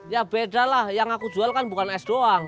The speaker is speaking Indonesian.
ya beda lah yang aku jual kan bukan es doang